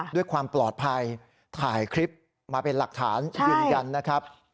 ด้วยความปลอดภัยถ่ายคลิปมาเป็นหลักฐานยืนยันนะครับ